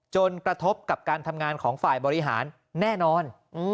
กระทบกับการทำงานของฝ่ายบริหารแน่นอน